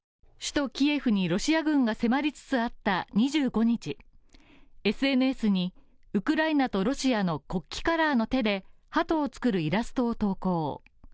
首都キエフにロシア軍が迫りつつあった２５日ＳＮＳにウクライナとロシアの国旗カラーの手でハトを作るイラストを投稿。